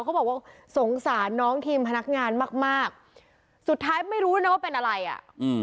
เขาบอกว่าสงสารน้องทีมพนักงานมากมากสุดท้ายไม่รู้นะว่าเป็นอะไรอ่ะอืม